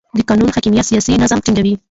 د قانون حاکمیت سیاسي نظم ټینګوي